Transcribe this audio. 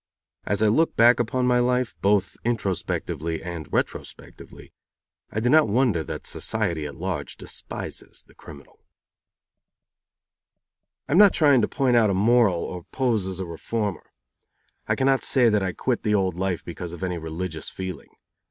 As I look back upon my life both introspectively and retrospectively I do not wonder that society at large despises the criminal. I am not trying to point a moral or pose as a reformer. I cannot say that I quit the old life because of any religious feeling.